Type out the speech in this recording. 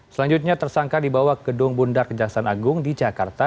selanjutnya tersangka dibawa ke gedung bundar kejaksaan agung di jakarta